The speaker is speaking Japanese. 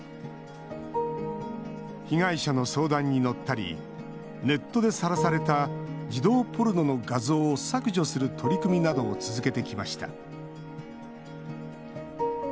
被害者の相談に乗ったりネットでさらされた児童ポルノの画像を削除する取り組みなどを続けてきました。